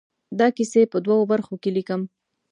دا کیسې په دوو برخو کې ليکم.